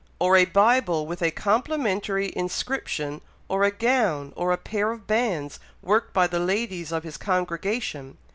or a Bible with a complimentary inscription, or a gown, or a pair of bands, worked by the ladies of his congregation!